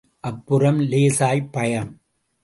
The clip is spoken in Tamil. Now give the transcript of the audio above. அப்புறம் லேசாய் பயம்.